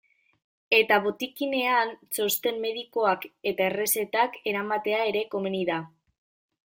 Eta botikinean txosten medikoak eta errezetak eramatea ere komeni da.